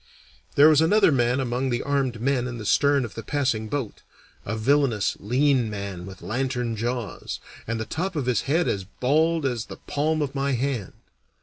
There was another man among the armed men in the stern of the passing boat a villainous, lean man with lantern jaws, and the top of his head as bald as the palm of my hand.